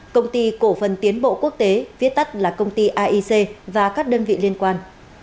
công ty cổ phần tiến bộ quốc tế viết tắt là công ty aic và các đơn vị liên quan